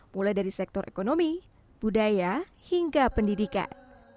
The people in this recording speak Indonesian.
mulai dari sektor ekonomi budaya hingga pendidikan